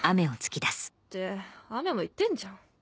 ってアメも言ってんじゃん。